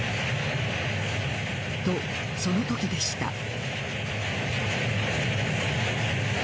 と、その時でした。